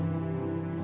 siap tidak tahu